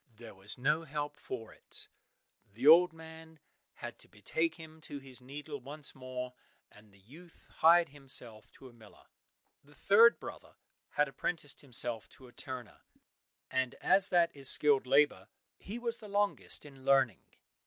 There was no help for it, the old man had to betake him to his needle once more, and the youth hired himself to a miller. The third brother had apprenticed himself to a turner, and as that is skilled labour, he was the longest in learning.